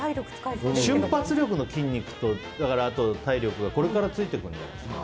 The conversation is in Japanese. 瞬発力の筋肉と体力がこれからついてくるんじゃないですか。